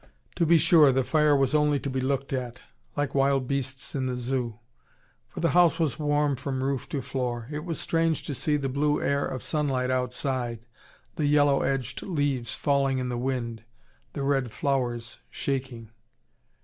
To be sure the fire was only to be looked at: like wild beasts in the Zoo. For the house was warm from roof to floor. It was strange to see the blue air of sunlight outside, the yellow edged leaves falling in the wind, the red flowers shaking.